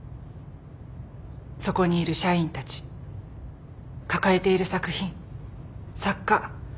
そこにいる社員たち抱えている作品作家。